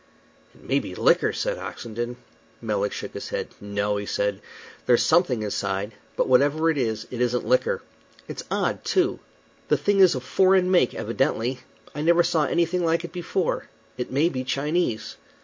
"It may be liquor," said Oxenden. Melick shook his head. "No," said he; "there's something inside, but whatever it is, it isn't liquor. It's odd, too. The thing is of foreign make, evidently. I never saw anything like it before. It may be Chinese."